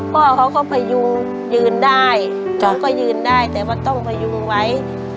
พ่อเขาก็พยุงยืนได้จองก็ยืนได้แต่ว่าต้องพยุงไว้